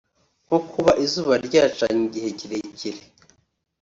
nko kuba izuba ryacanye igihe kirekire